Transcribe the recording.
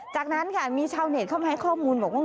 จากนั้นค่ะมีชาวเน็ตเข้ามาให้ข้อมูลบอกว่า